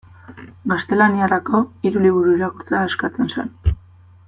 Gaztelaniarako hiru liburu irakurtzea eskatzen zen.